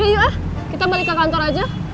ayo kita balik ke kantor aja